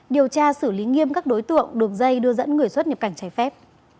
điều tra xử lý nghiêm các đối tượng đường dây đưa dẫn người xuất nhập cảnh trái phép